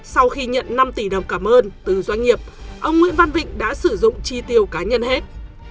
sau khi nhận năm tỷ đồng cảm ơn từ doanh nghiệp ông nguyễn văn vịnh đã sử dụng chi tiêu cá nhân hết